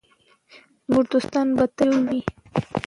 زموږ دوستان به تل یو وي.